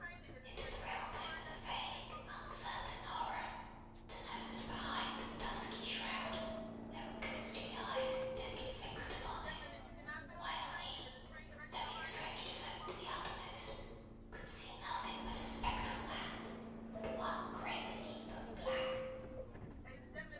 It thrilled him with a vague uncertain horror, to know that behind the dusky shroud, there were ghostly eyes intently fixed upon him, while he, though he stretched his own to the utmost, could see nothing but a spectral hand and one great heap of black.